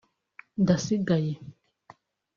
Ndasigaye